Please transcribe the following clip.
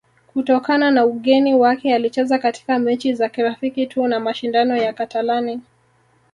kutokana na ugeni wake alicheza katika mechi za kirafiki tu na mashindano ya katalani